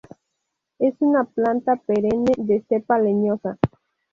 Es una planta perenne de cepa leñosa.